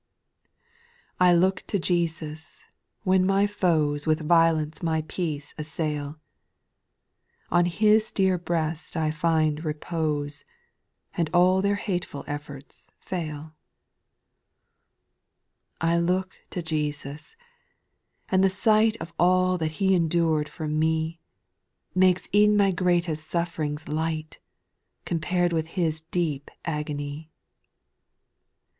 207 5. I look to Jesus, wlien my foes With violence my peace assail ; On His dear breast T find repose, And all their hateful efforts fail. 6. I look to Jesus, and the sight Of all that He endured for me, Makes e'en my greatest suff 'rings light. Compared with Uis deep agony. 7.